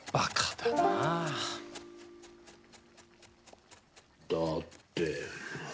だって。